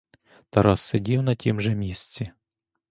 Тарас сидів на тім же місці.